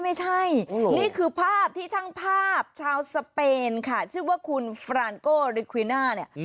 ไม่ใช่นี่คือภาพที่ช่างภาพชาวสเปนค่ะชื่อว่าคุณฟรานโกริควิน่าเนี่ย